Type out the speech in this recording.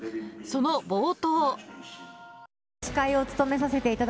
その冒頭。